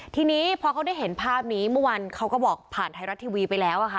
ทีนี้พอเขาได้เห็นภาพนี้เมื่อวานเขาก็บอกผ่านไทยรัฐทีวีไปแล้วอะค่ะ